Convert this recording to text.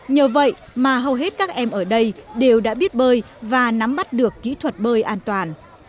nhờ vậy mà hầu hết các em ở đây đều đã biết bơi và nắm bắt được kỹ thuật bơi an toàn